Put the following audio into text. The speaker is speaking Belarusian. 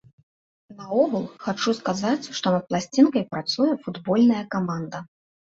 Наогул, хачу сказаць, што над пласцінкай працуе футбольная каманда!